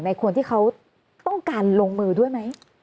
คนที่เขาต้องการลงมือด้วยไหม